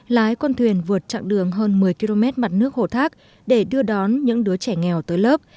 lái con thuyền vượt chặng đường hơn một mươi km mặt nước hồ thác để đưa đón những đứa trẻ nghèo tới lớp